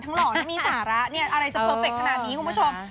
ทั้งหล่อแล้วมีสาระอะไรจะเพอร์เฟคขนาดนี้คุณผู้ชม